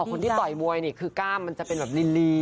คนที่ต่อยมวยนี่คือกล้ามมันจะเป็นแบบลี